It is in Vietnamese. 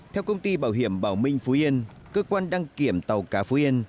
theo công ty bảo hiểm bảo minh phú yên cơ quan đăng kiểm tàu cá phú yên